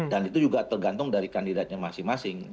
dan itu juga tergantung dari kandidatnya masing masing